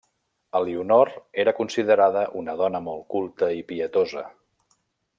Elionor era considerada una dona molt culta i pietosa.